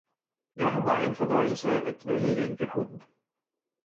jeg har megen fornøjelse af at drille lænkehunden.